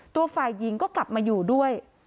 ตัวฝ่ายหญิงก็กลับมาอยู่ด้วย